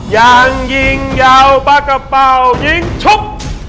ยังยิงยาวปะกะเป่ายิงช็อป